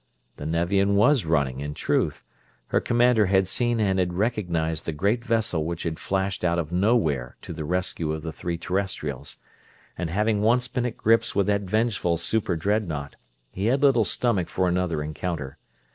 The Nevian was running, in truth. Her commander had seen and had recognized the great vessel which had flashed out of nowhere to the rescue of the three Terrestrials; and, having once been at grips with that vengeful super dreadnaught, he had little stomach for another encounter.